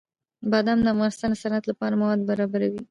بادام د افغانستان د صنعت لپاره مواد برابروي.